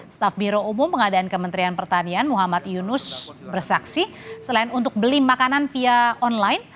staf biro umum pengadaan kementerian pertanian muhammad yunus bersaksi selain untuk beli makanan via online